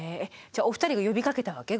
じゃあお二人が呼びかけたわけ？